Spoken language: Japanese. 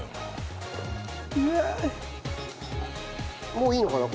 もういいのかな？